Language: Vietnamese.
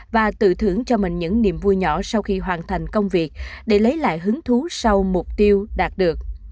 và tự thưởng cho mình những niềm vui nhỏ sau khi hoàn thành công việc để lấy lại hứng thú sau mục tiêu đạt được